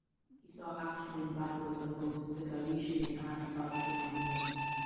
He saw action in battles on both the Galician and Palestinian Fronts.